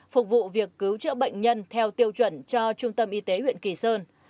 phục vụ việc cứu trợ bệnh nhân theo tiêu chuẩn cho trung tâm y tế huyện kỳ sơn